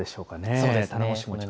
そうですね。